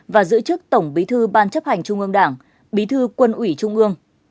và giữ chức tổng bí thư ban chấp hành trung ương đảng bí thư quân ủy trung ương